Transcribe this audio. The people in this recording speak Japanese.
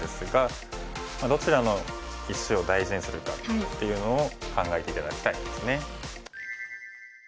どちらの石を大事にするかっていうのを考えて頂きたいですね。